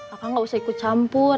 kakak gak usah ikut campur